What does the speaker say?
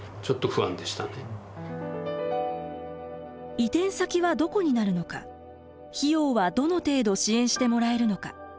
移転先はどこになるのか費用はどの程度支援してもらえるのか？